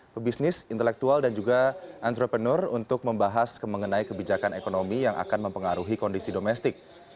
pebisnis intelektual dan juga entrepreneur untuk membahas mengenai kebijakan ekonomi yang akan mempengaruhi kondisi domestik